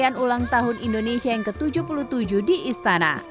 lagu ini menyebutkan ulang tahun indonesia yang ke tujuh puluh tujuh di istana